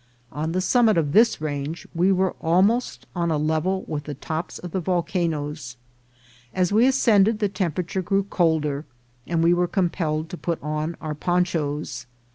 On the summit of this range we were almost on a level with the tops of the volcanoes. As we ascended the temperature grew colder, and we were compelled to put on our ponchas.